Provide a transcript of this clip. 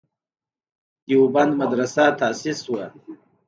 دیوبند مدرسه تاسیس شوه.